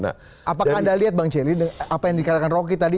apakah anda lihat bang celi apa yang dikatakan rocky tadi